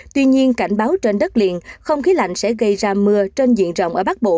tuy nhiên cảnh báo trên đất liền không khí lạnh sẽ gây ra mưa trên diện rộng ở bắc bộ